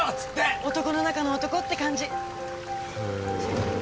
男の中の男って感じ。へ。